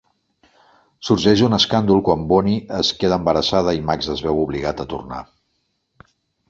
Sorgeix un escàndol quan Boonyi es queda embarassada i Max es veu obligat a tornar.